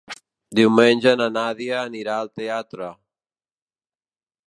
Diumenge na Nàdia anirà al teatre.